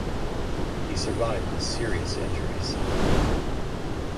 He survived with serious injuries.